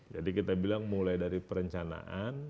jadi kita bilang mulai dari perencanaan